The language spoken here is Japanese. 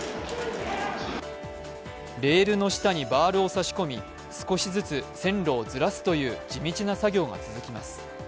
レールの下にバールを差し込み、少しずつ線路をずらすという地道な作業が続きます。